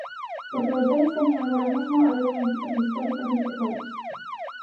Porque vostedes teñen agora mesmo a débeda en cifras históricas neste país.